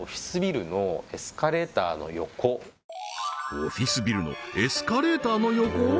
オフィスビルのエスカレーターの横？